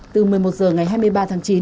từ một mươi một h ngày hai mươi ba tháng chín